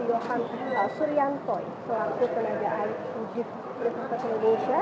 yohan suryantoy selaku tenagaan ujip presiden indonesia